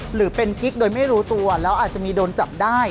หรือเป็นกิ๊กโดยไม่รู้ตัวแล้วอาจจะมีโดนจับได้